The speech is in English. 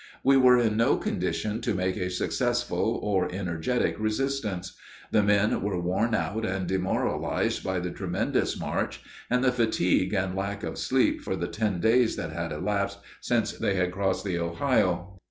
We were in no condition to make a successful or energetic resistance. The men were worn out and demoralized by the tremendous march, and the fatigue and lack of sleep for the ten days that had elapsed since they had crossed the Ohio.